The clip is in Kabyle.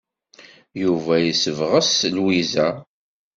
Yuba yessebɣes Lwiza.